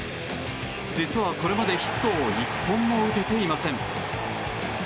実はこれまでヒットを１本も打てていません。